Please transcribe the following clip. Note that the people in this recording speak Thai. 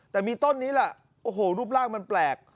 แต่มีต้นนี้แหละโอ้โหรูปร่างมันแปลก